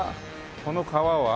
この川は？